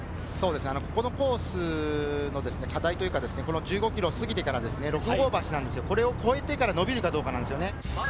そうですね、このコースの課題というか、この１５キロ過ぎてから、六郷橋なんですが、これを越えてから伸びるかどうかなんですね。